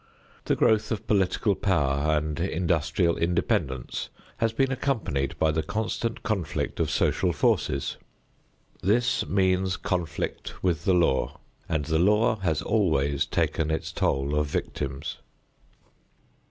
The growth of political power and industrial independence has been accompanied by the constant conflict of social forces. This means conflict with the law, and the law has always taken its toll of victims.